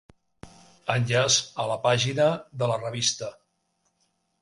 Enllaç a la pàgina de la revista.